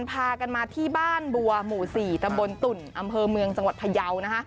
พากันมาที่บ้านบัวหมู่๔ตำบลตุ่นอำเภอเมืองจังหวัดพยาว